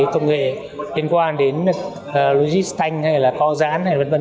công nghệ liên quan đến logistic hay là co giãn hay là vân vân